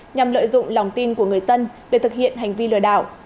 nhằm lợi dụng lòng tin của người dân để thực hiện hành vi lừa đảo